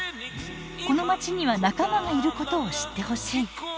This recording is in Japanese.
このまちには仲間がいることを知ってほしい。